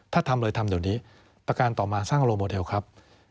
ถ้าทำเลยทำเดี๋ยวนี้ประการต่อมาสร้างโรโมเดลครับ